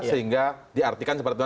sehingga diartikan seperti itu